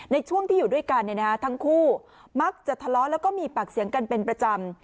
ในช่วงที่อยู่ด้วยกันทั้งคู่มักจะทะเลาะแล้วก็มีปากเสียงกันเป็นประจำ